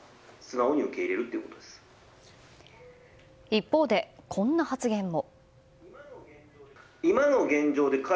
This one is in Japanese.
一方で、こんな発言も。